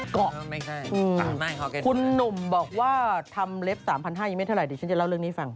กรอกคุณหนุ่มบอกว่าทำเล็บ๓๕๐๐ยังไม่เท่าไหร่ดิฉันจะเล่าเรื่องนี้ให้ฟัง